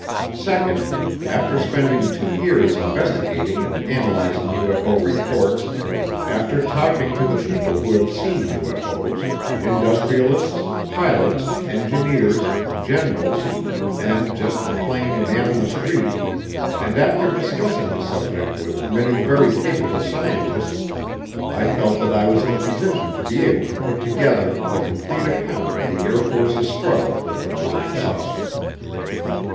Second, after spending two years investigating and analyzing UFO reports, after talking to the people who have seen UFO's industrialists, pilots, engineers, generals, and just the plain man on the street, and after discussing the subject with many very capable scientists, I felt that I was in a position to be able to put together the complete account of the Air Force's struggle with the flying saucer.